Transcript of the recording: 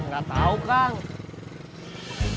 gak tahu ada apa apanya